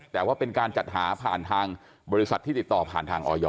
แต่ว่าเป็นการจัดหาผ่านทางบริษัทที่ติดต่อผ่านทางออย